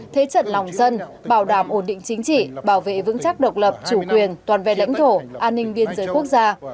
thế trận lòng dân bảo đảm ổn định chính trị bảo vệ vững chắc độc lập chủ quyền toàn vẹn lãnh thổ an ninh biên giới quốc gia